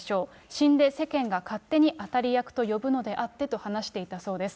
死んで、世間が勝手に当たり役と呼ぶのであってと、話していたそうです。